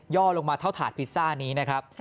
่อลงมาเท่าถาดพิซซ่านี้นะครับ